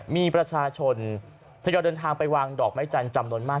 มีประชาชนทยอยเดินทางไปวางดอกไม้จันทร์จำนวนมาก